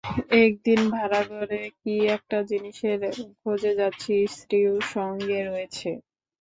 একদিন ভাড়ারঘরে কী একটা জিনিসের খোজে যাচ্ছি, স্ত্রীও সঙ্গে রয়েছে।